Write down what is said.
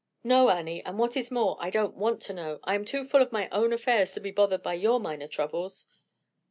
"No, Annie; and what is more, I don't want to know. I am too full of my own affairs to be bothered by your minor troubles."